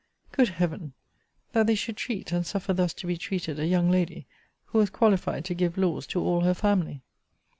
Good Heaven! that they should treat, and suffer thus to be treated, a young lady, who was qualified to give laws to all her family!